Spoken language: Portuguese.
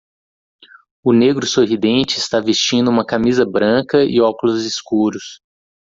O negro sorridente está vestindo uma camisa branca e óculos escuros.